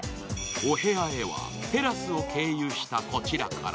お部屋へはテラスを経由したこちらから。